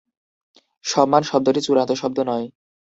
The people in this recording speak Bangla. সম্মান শব্দটি চূড়ান্ত শব্দ নয়।